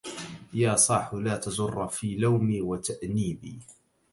يا صاح لا تجر في لومي وتأنيبي